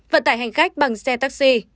vận tải hành khách bằng xe taxi